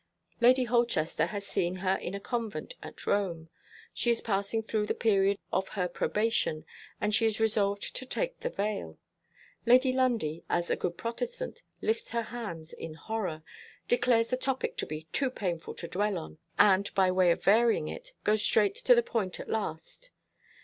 Lady Holchester has seen her in a convent at Rome. She is passing through the period of her probation; and she is resolved to take the veil. Lady Lundie, as a good Protestant, lifts her hands in horror declares the topic to be too painful to dwell on and, by way of varying it, goes straight to the point at last.